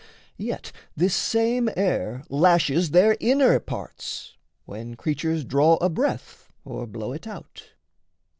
Yet this same air lashes their inner parts, When creatures draw a breath or blow it out.